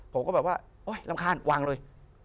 ผมก็แบบว่าโอ๊ยรำคาญวางเลย